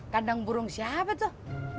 kandang burung siapa tuh